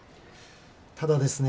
ただですね